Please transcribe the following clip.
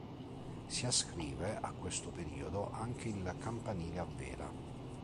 Si ascrive a questo periodo anche il campanile a vela.